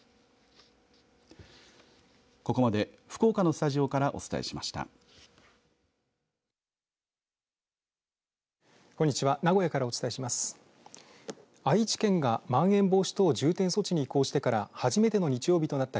ここまで、福岡のスタジオからお伝えしました。